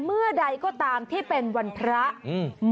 อืมแต่เมื่อวันพระอืม